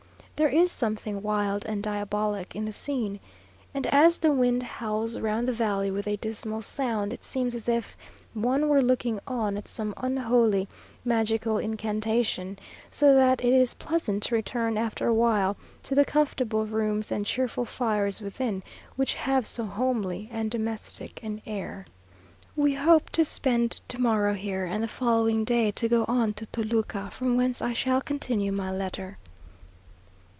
There is something wild and diabolic in the scene; and as the wind howls round the valley with a dismal sound, it seems as if one were looking on at some unholy, magical incantation; so that it is pleasant to return after a while to the comfortable rooms and cheerful fires within, which have so homely and domestic an air. We hope to spend to morrow here, and the following day to go on to Toluca, from whence I shall continue my letter.